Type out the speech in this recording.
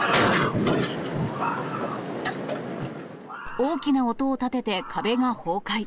大きな音を立てて壁が崩壊。